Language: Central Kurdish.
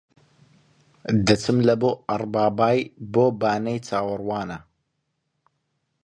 دەچم لە بۆ ئەڕبابای بۆ بانەی چاوەڕوانە